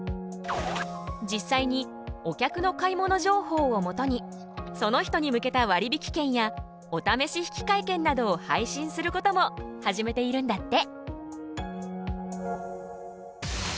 実際にお客の買い物情報をもとにその人に向けた割引券やおためし引換券などを配信することも始めているんだって。